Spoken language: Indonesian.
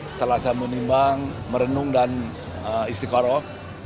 setelah saya menimbang merenung dan istiqarah